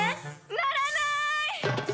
鳴らない！